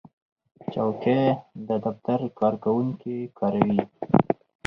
چوکۍ د دفتر کارکوونکي کاروي.